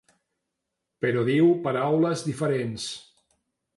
Però diu paraules diferents.